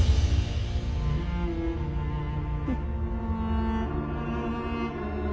うん。